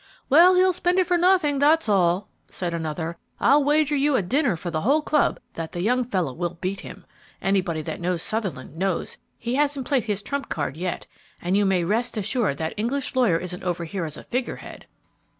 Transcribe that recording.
"Well, he'll spend it for nothing, that's all!" said another. "I'll wager you a dinner for the whole club that the young fellow will beat him. Anybody that knows Sutherland, knows he hasn't played his trump card yet; and you may rest assured that English lawyer isn't over here as a figure head!"